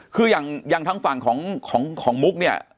คืออย่างทางฝั่งของมุกเนี่ย